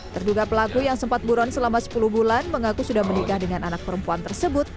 terduga pelaku yang sempat buron selama sepuluh bulan mengaku sudah menikah dengan anak perempuan tersebut